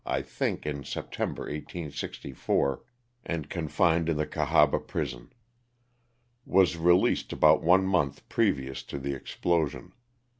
I think in September, 1864, and confined in the Cahaba prison. Was released about one month previous to the explosion.